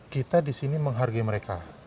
kita di sini menghargai mereka